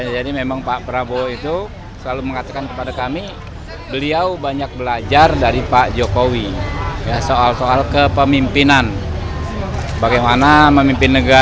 jangan lupa subscribe like dan share ya